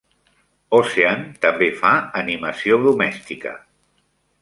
Ocean també fa animació domèstica.